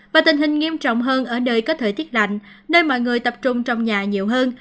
và tình hình nghiêm trọng hơn ở nơi có thời tiết lạnh nơi mọi người tập trung trong nhà nhiều hơn